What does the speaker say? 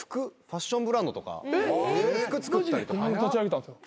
立ち上げたんすよ。